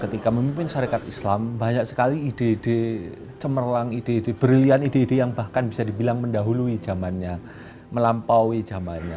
ketika memimpin syarikat islam banyak sekali ide ide cemerlang ide ide brilian ide ide yang bahkan bisa dibilang mendahului zamannya melampaui zamannya